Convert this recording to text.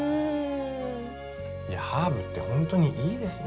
いやハーブって本当にいいですね。